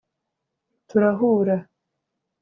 … turahura